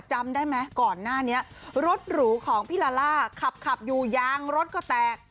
จำได้ไหมก่อนหน้านี้รถหรูของพี่ลาล่าขับอยู่ยางรถก็แตก